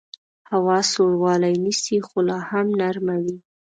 هوا سوړوالی نیسي خو لاهم نرمه وي